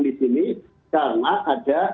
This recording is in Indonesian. di sini karena ada